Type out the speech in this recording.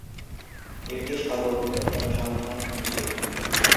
এটি সর্ববৃহৎ অনুসন্ধান ইঞ্জিন।